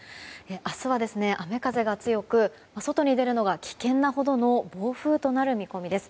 明日は雨風が強く外に出るのが危険なほどの暴風となる見込みです。